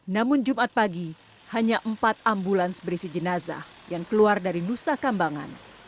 namun jumat pagi hanya empat ambulans berisi jenazah yang keluar dari nusa kambangan